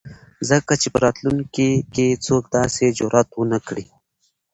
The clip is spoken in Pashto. ځکه چې په راتلونکي ،کې څوک داسې جرات ونه کړي.